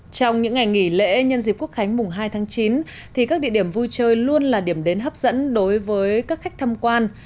trong những ngày nghỉ lễ nhân dịp quốc khánh mùng hai tháng chín thì các địa điểm vui chơi luôn là điểm đến hấp dẫn đối với các khách thăm quan